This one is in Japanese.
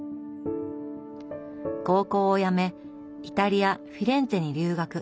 高校をやめイタリアフィレンツェに留学。